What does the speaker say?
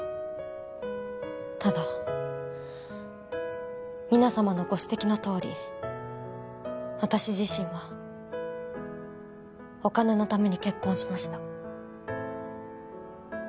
ただ皆さまのご指摘のとおり私自身はお金のために結婚しました